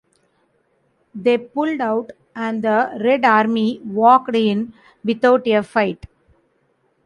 They pulled out and the Red Army walked in without a fight.